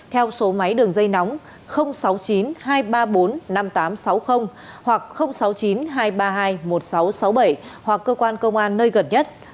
theo số máy đường dây nóng sáu mươi chín hai trăm ba mươi bốn năm nghìn tám trăm sáu mươi hoặc sáu mươi chín hai trăm ba mươi hai một nghìn sáu trăm sáu mươi bảy hoặc cơ quan công an nơi gần nhất